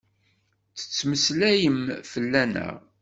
Ttettmeslayem fell-aneɣ?